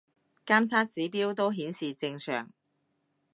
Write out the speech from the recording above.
監測指標都顯示正常